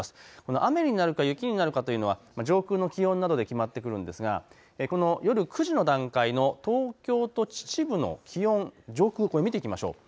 雨になるか雪になるかというのは上空の気温などで決まってくるんですが、この夜、９時の段階の東京と秩父の気温上空から見ていきましょう。